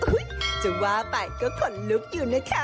จะว่าไปก็ขนลุกอยู่นะคะ